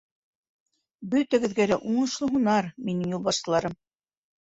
Бөтәгеҙгә лә уңышлы һунар, минең юлбашсыларым.